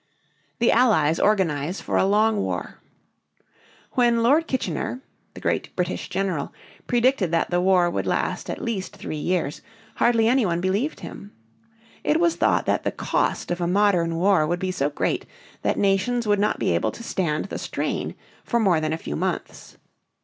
THE ALLIES ORGANIZE FOR A LONG WAR. When Lord Kitchener, the great British general, predicted that the war would last at least three years, hardly any one believed him. It was thought that the cost of a modern war would be so great that nations would not be able to stand the strain for more than a few months.